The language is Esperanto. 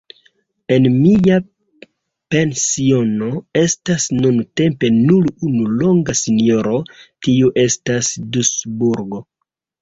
En mia pensiono estas nuntempe nur unu longa sinjoro, tiu estas Dusburg.